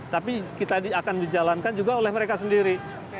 tapi kita akan dijalankan juga oleh mereka sendiri